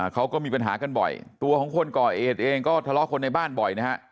เขาก็มีปัญหากันบ่อยตัวของคนก่อเหตุเองก็ทะเลาะคนในบ้านบ่อยนะฮะ